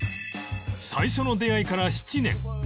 最初の出会いから７年